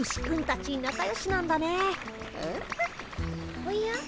おや？